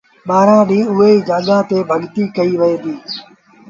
ٻآهرآݩ ڏيݩهݩ اُئي جآڳآ تي ڀڳتيٚ ڪئيٚ وهي ديٚ